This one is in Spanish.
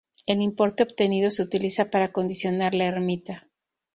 El importe obtenido se utiliza para acondicionar la ermita.